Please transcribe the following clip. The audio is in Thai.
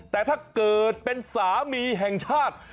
แต่ถ้าเกิดเป็นสามีแห่งชาติ